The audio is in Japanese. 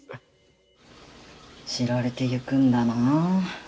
知られていくんだなあ。